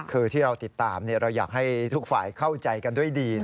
คือที่เราติดตามเราอยากให้ทุกฝ่ายเข้าใจกันด้วยดี